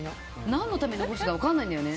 何のために残してたか分からないんだよね。